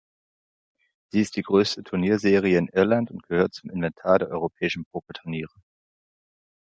Sie ist die größte Turnierserie in Irland und gehört zum Inventar der europäischen Pokerturniere.